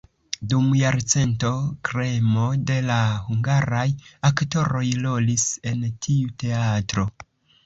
Dum jarcento kremo de la hungaraj aktoroj rolis en tiu teatro.